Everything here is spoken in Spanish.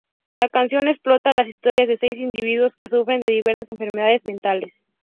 La canción explora las historias de seis individuos que sufren de diversas enfermedades mentales.